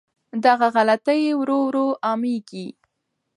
دغه غلطۍ ورو ورو عامېږي.